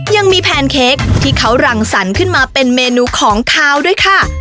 ยังมีแพนเค้กที่เขารั่งสั่นขึ้นมาเป็นเมนูของคาวด้วยค่ะ